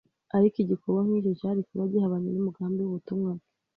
ariko igikorwa nk'icyo cyari kuba gihabanye n'umugambi w'ubutumwa bwe,